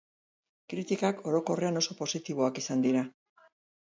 Kritikak orokorrean oso positiboak izan dira.